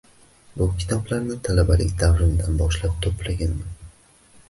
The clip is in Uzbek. Bu kitoblarni talabalik davrimdan boshlab to`plaganman